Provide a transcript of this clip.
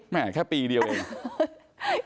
แค่ปีเดียวเอง